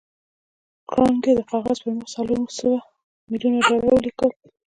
کارنګي د کاغذ پر مخ څلور سوه ميليونه ډالر ولیکل